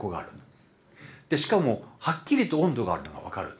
しかもはっきりと温度があるってことが分かる。